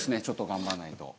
頑張んないと。